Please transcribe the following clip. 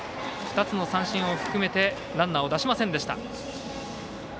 ２つの三振を含めてランナーを出しませんでした。